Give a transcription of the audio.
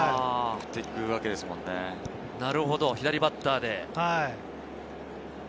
なるほど、左バッターで。